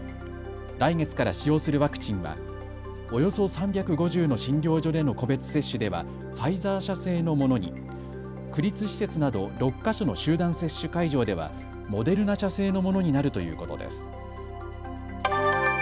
来月から使用するワクチンはおよそ３５０の診療所での個別接種ではファイザー社製のものに、区立施設など６か所の集団接種会場ではモデルナ社製のものになるということです。